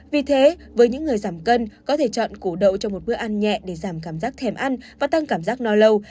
vì thế với những người giảm cân có thể chọn củ đậu cho một bữa ăn nhẹ để giảm cảm giác thèm ăn và tăng cảm giác no lâu